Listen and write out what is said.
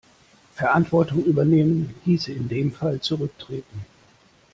Verantwortung übernehmen hieße in dem Fall zurücktreten.